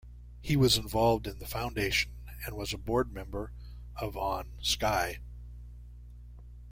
He was involved in the foundation and was a board member of on Skye.